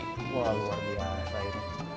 wah luar biasa ini